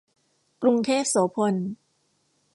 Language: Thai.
กรุงเทพโสภณ